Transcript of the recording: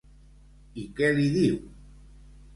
I què li diu?